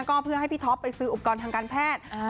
ก็เพื่อให้พี่ท็อปไปซื้ออุปกรณ์ทางการแพทย์